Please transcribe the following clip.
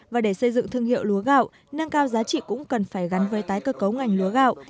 và để xây dựng thương hiệu lúa gạo nâng cao giá trị cũng cần phải gắn với tái cơ cấu ngành lúa gạo